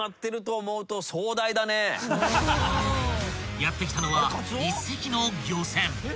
［やって来たのは一隻の漁船］